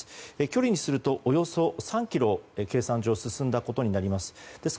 距離にするとおよそ３ｋｍ計算上進んだことになります。